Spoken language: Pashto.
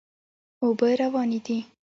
اوبه روانې دي.